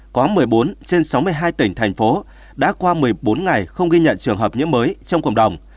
có một mươi bốn trên sáu mươi hai tỉnh thành phố đã qua một mươi bốn ngày không ghi nhận trường hợp nhiễm mới trong cộng đồng